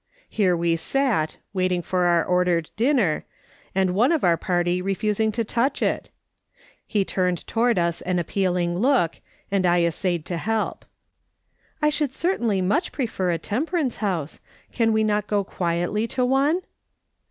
Here we sat, waiting for our ordered dinner, and one of our party refusing to touch it ? He turned toward us an appealing look, and I essayed to help :" I sliould certainly much prefer a temperance house. Can we not go quietly to one